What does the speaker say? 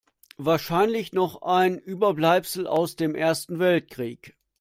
Wahrscheinlich noch ein Überbleibsel aus dem Ersten Weltkrieg.